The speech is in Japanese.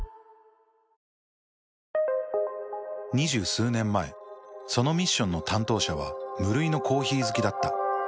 数年前そのミッションの担当者は無類のコーヒー好きだった。